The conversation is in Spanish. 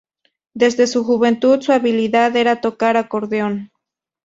Desde su juventud su habilidad era tocar acordeón.